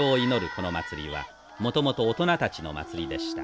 この祭りはもともと大人たちの祭りでした。